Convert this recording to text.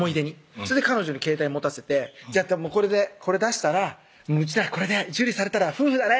それで彼女に携帯持たせて「これ出したらうちらこれで受理されたら夫婦だね」